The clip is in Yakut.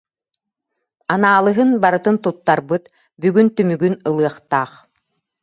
Анаалыһын барытын туттарбыт, бүгүн түмүгүн ылыахтаах